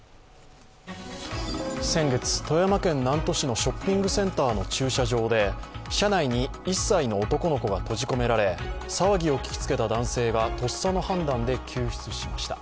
先月、富山県南砺市のショッピングセンターの駐車場で車内に１歳の男の子が閉じ込められ騒ぎを聞きつけた男性がとっさの判断で救出しました。